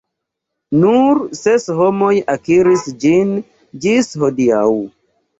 Nur ses homoj akiris ĝin ĝis hodiaŭ.